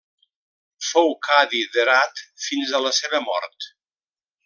Fou cadi d'Herat fins a la seva mort.